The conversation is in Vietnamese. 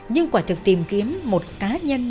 nhưng quả thực tìm kiếm một cá nhân